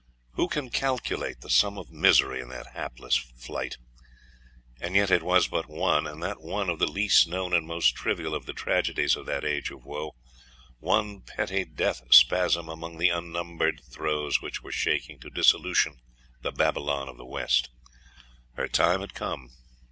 Who can calculate the sum of misery in that hapless flight?.... And yet it was but one, and that one of the least known and most trivial, of the tragedies of that age of woe; one petty death spasm among the unnumbered throes which were shaking to dissolution the Babylon of the West. Her time had come.